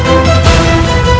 katakan yang ada